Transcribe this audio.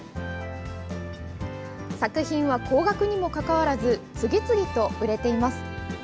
作品は高額にもかかわらず次々と売れています。